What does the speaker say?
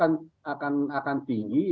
jadi risiko kebakaran itu akan tinggi